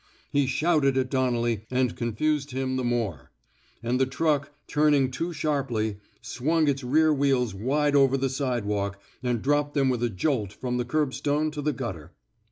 He shouted at Donnelly and confused him the more; and the truck, turning too sharply, swung its rear wheels wide over the sidewalk and dropped them with a jolt from the curbstone to the gutter.